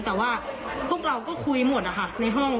แต่ว่าพวกเราก็คุยหมดนะคะในห้อง